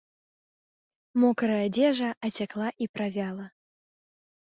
Мокрая адзежа ацякла і правяла.